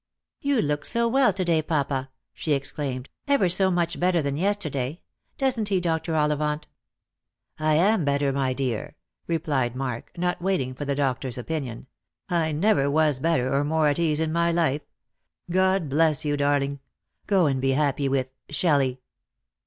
" Tou look so well to day, papa," she exclaimed, " ever so much better than yesterday. Doesn't he, Dr. Ollivant ?"" I am better, my dear," replied Mark, not waiting for the doctor's opinion ;" I never was better, or more at ease in my life. God bless you, darling! Go and be happy with — Shelley."